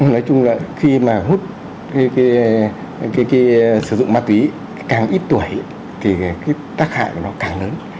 nói chung là khi mà hút sử dụng ma túy càng ít tuổi thì cái tác hại của nó càng lớn